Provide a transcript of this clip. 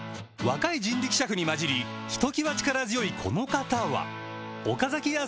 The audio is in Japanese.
若い人力車夫に交じりひときわ力強いこの方は岡崎屋